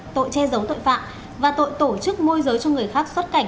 tội che giấu tội phạm và tội tổ chức môi giới cho người khác xuất cảnh